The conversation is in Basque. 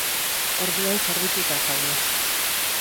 Orduan zerbituta zaude.